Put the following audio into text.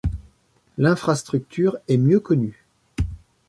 L'infrastructure est mieux connue.